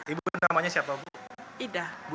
ibu namanya siapa bu